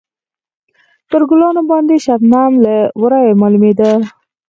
پر ګلانو باندې شبنم له ورایه معلومېده.